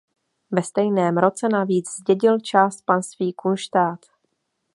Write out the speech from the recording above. Ve stejném roce navíc zdědil část panství Kunštát.